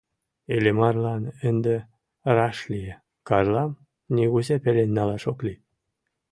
Иллимарлан ынде раш лие: Карлам нигузе пелен налаш ок лий.